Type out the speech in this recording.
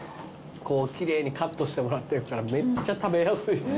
こう奇麗にカットしてもらってるからめっちゃ食べやすい。